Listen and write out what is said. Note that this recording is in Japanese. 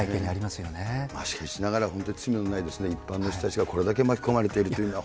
しかしながら本当に罪のない一般の人たちがこれだけ巻き込まれているというのは。